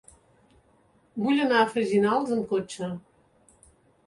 Vull anar a Freginals amb cotxe.